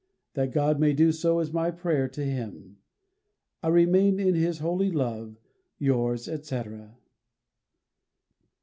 That God may do so is my prayer to Him. I remain, in His holy love, Yours, etc. LXXXVII.